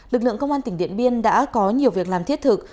lực lượng công an tỉnh điện biên đã có nhiều việc làm thiết thực